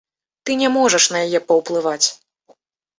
Ты не можаш на яе паўплываць.